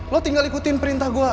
lo tinggal ikutin perintah gue